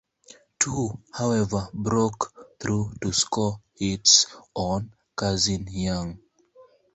Two, however, broke through to score hits on "Cassin Young".